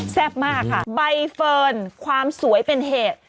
มากค่ะใบเฟิร์นความสวยเป็นเหตุ